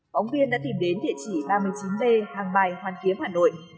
phóng viên đã tìm đến địa chỉ ba mươi chín b hàng bài hoàn kiếm hà nội